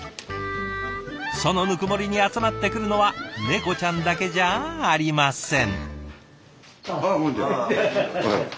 その温もりに集まってくるのは猫ちゃんだけじゃありません。